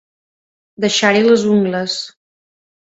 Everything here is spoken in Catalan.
Deixar-hi les ungles.